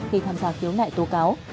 khi tham gia khiếu nại tố cáo